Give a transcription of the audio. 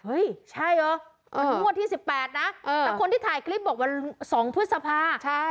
เฮ้ยใช่เหรองวดที่สิบแปดนะแต่คนที่ถ่ายคลิปบอกว่าสองพฤษภา